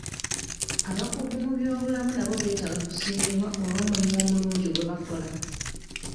Abakugu mu by'obulamu nabo beetaaga okusiimibwa olw'omulimu omulungi gwe bakola.